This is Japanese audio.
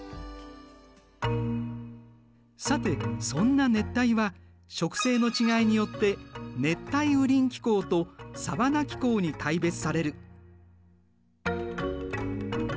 さてそんな熱帯は植生の違いによって熱帯雨林気候とサバナ気候に大別される。